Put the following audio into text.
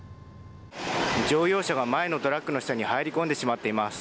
乗用車が前のトラックの下に入り込んでしまっています。